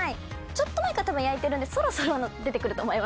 ちょっと前から多分焼いてるんでそろそろ出てくると思います。